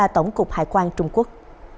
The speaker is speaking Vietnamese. tổng cục hải quan trung quốc